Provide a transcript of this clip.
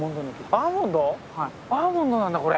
アーモンドなんだこれ。